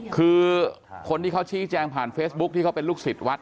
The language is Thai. คือคนที่เขาชี้แจงผ่านเฟซบุ๊คที่เขาเป็นลูกศิษย์วัด